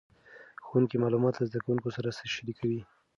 ښوونکي معلومات له زده کوونکو سره شریکوي.